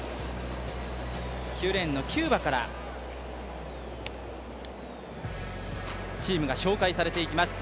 ９レーンのキューバからチームが紹介されていきます。